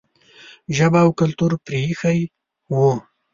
ژبه او کلتور پرې ایښی و.